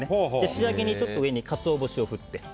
仕上げにちょっと上にカツオ節を振って。